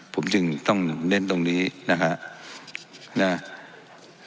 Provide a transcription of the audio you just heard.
ผมจึงต้องเน้นตรงนี้นะฮะ